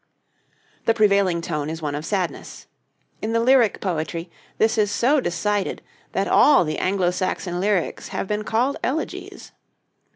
The prevailing tone is one of sadness. In the lyric poetry, this is so decided that all the Anglo Saxon lyrics have been called elegies.